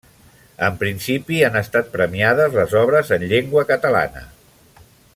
En principi han estat premiades les obres en llengua catalana.